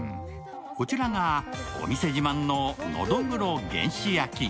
こちらがお店自慢ののどぐろ原始焼き。